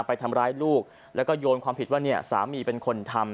ไปทำร้ายลูกแล้วก็โยนความผิดว่าเนี่ยสามีเป็นคนทำ